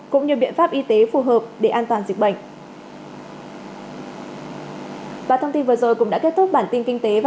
cũng như biện pháp y tế phù hợp để an toàn dịch bệnh